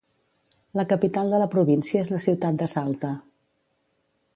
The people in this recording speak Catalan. La capital de la província és la ciutat de Salta.